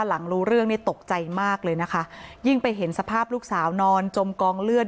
หลังรู้เรื่องเนี่ยตกใจมากเลยนะคะยิ่งไปเห็นสภาพลูกสาวนอนจมกองเลือด